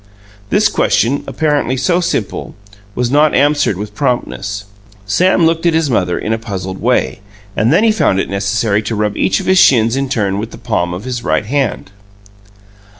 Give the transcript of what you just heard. This question, apparently so simple, was not answered with promptness. Sam looked at his mother in a puzzled way, and then he found it necessary to rub each of his shins in turn with the palm of his right hand.